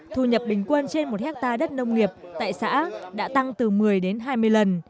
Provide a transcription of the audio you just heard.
thu nhập bình quân trên một hectare đất nông nghiệp tại xã đã tăng từ một mươi đến hai mươi lần